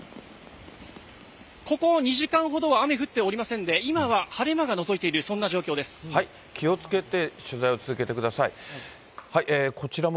ここ２時間ほどは雨降っておりませんで、今は晴れ間がのぞいている、気をつけて取材を続けてください。